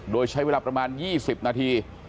โดยใช้เวลาประมาณ๒๐นาที